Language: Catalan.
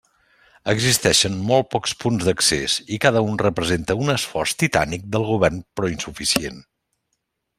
Existeixen molt pocs punts d'accés i cada un representa un esforç titànic del govern però insuficient.